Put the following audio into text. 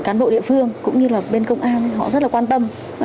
cán bộ địa phương cũng như là bên công an họ rất là quan tâm